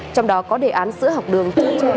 trong đó có đề án sữa học đường